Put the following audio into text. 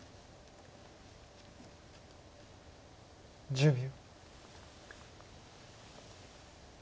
１０秒。